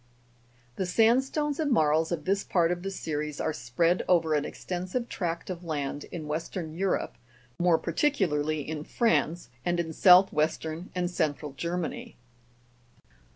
29. The sandstones and marls of this part of the series are spread over an extensive tract of land in western Europe, more particularly in France, and in south western and central Germany.